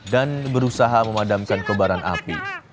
dan berusaha memadamkan kebaran api